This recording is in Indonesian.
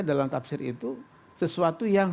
dalam tafsir itu sesuatu yang